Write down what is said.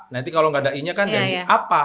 nanti kalau nggak ada i nya kan dan apa